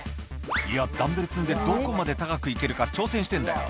「いやダンベル積んでどこまで高く行けるか挑戦してんだよ」